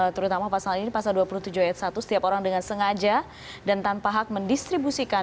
terutama pasal ini pasal dua puluh tujuh ayat satu setiap orang dengan sengaja dan tanpa hak mendistribusikan